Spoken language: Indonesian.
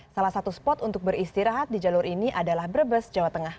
salah satu spot untuk beristirahat di jalur ini adalah brebes jawa tengah